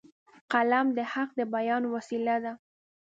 قلم د حق د بیان وسیله ده